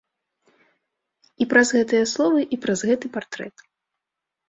І праз гэтыя словы, і праз гэты партрэт.